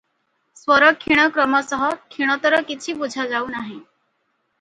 ସ୍ୱର କ୍ଷୀଣ କ୍ରମଶଃ କ୍ଷୀଣତର କିଛି ବୁଝା ଯାଉ ନାହିଁ ।